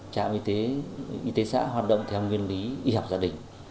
trạm y tế xã hoạt động theo nguyên lý y học gia đình